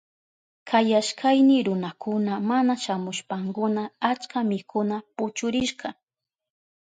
Kayashkayni runakuna mana shamushpankuna achka mikuna puchurishka.